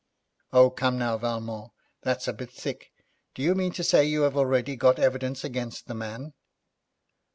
'Oh, come now, Valmont, that's a bit thick. Do you mean to say you have already got evidence against the man?'